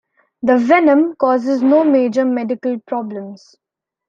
The venom causes no major medical problems.